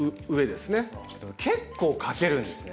でも結構かけるんですね。